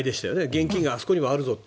現金があそこにはあるぞと。